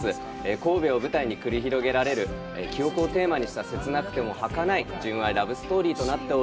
神戸を舞台に繰り広げられる“記憶”をテーマにした、切なくもはかない純愛ラブストーリーです。